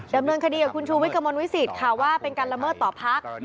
ดำเนินคดีกับคุณชูวิทย์กระมวลวิสิตค่ะว่าเป็นการละเมิดต่อพัก